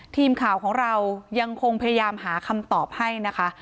ทีมข่าวของเรายังคงพยายามหาคำตอบให้นะคะ